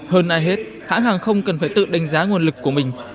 hơn ai hết hãng hàng không cần phải tự đánh giá nguồn lực của mình